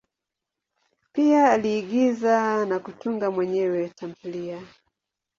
Pia aliigiza na kutunga mwenyewe tamthilia.